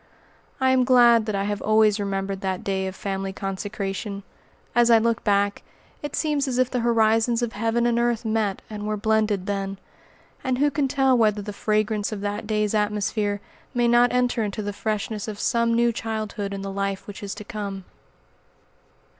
I am glad that I have always remembered that day of family consecration. As I look back, it seems as if the horizons of heaven and earth met and were blended then. And who can tell whether the fragrance of that day's atmosphere may not enter into the freshness of some new childhood in the life which is to come?